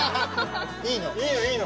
いいの。